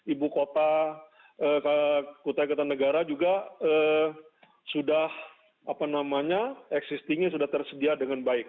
ibu kota kutai kartanegara juga sudah apa namanya existingnya sudah tersedia dengan baik